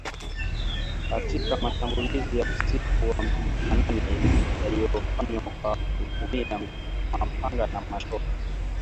katika mashambulizi ya usiku wa manane yaliyofanywa kwa kutumia mapanga na mashoka